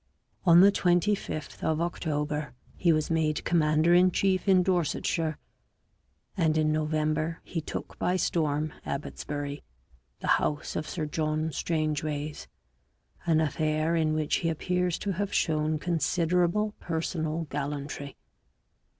On the 25th of October he was made commander in chief in Dorsetshire, and in November he took by storm Abbotsbury, the house of Sir John Strangways ŌĆö an affair in which he appears to have shown considerable personal gallantry.